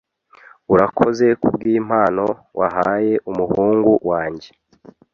Urakoze kubwimpano wahaye umuhungu wanjye.